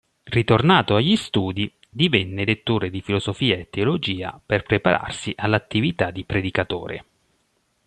Ritornato agli studi, divenne lettore di filosofia e teologia per prepararsi all'attività di predicatore.